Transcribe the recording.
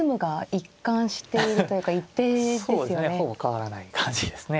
ほぼ変わらない感じですね。